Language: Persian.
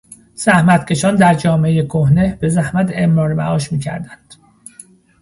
زحمتکشان در جامعهٔ کهنه بزحمت امرار معاش میکردند.